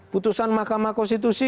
putusan mahkamah konstitusi